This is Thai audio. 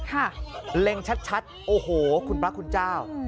เล็งชัดโอ้โหคุณพระคุณเจ้า